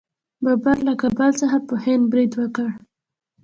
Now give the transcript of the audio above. بابر له کابل څخه په هند برید وکړ.